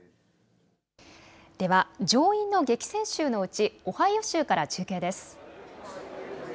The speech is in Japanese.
では、上院の激戦州のうちオハイオ州から中継です。